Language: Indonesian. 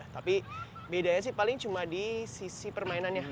tapi bedanya sih paling cuma di sisi permainannya